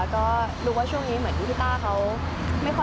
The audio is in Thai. เหมือนพอจบกับพี่ต้าไปก็